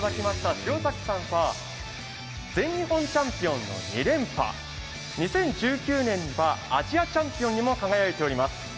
塩崎さんは全日本チャンピオン２連覇、２０１９年はアジアチャンピオンにも輝いています。